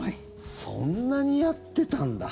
そんなにやってたんだ。